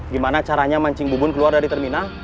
gimana caranya mancing bubun keluar dari terminal